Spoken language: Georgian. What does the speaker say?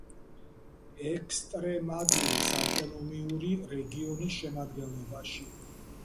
ესტრემადურის ავტონომიური რეგიონის შემადგენლობაში.